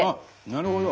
なるほど！